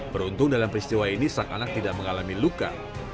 beruntung dalam peristiwa ini sang anak tidak mengalami luka